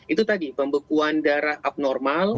itu tadi pembekuan darah abnormal